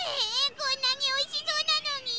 こんなにおいしそうなのに？